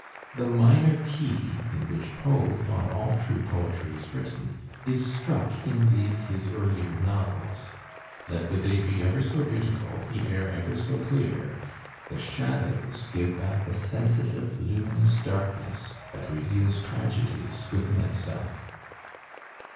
The minor key, in which Poe thought all true poetry is written, is struck in these his earlier novels. Let the day be ever so beautiful, the air ever so clear, the shadows give back a sensitive, luminous darkness that reveals tragedies within itself.